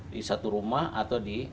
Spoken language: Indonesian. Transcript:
di satu rumah atau di